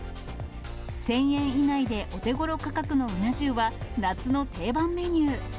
１０００円以内でお手ごろ価格のうな重は、夏の定番メニュー。